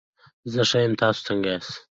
زه ښه یم، تاسو څنګه ياست؟